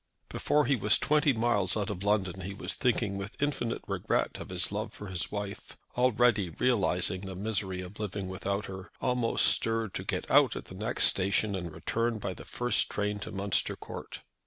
Before he was twenty miles out of London he was thinking with infinite regret of his love for his wife, already realising the misery of living without her, almost stirred to get out at the next station and return by the first train to Munster Court.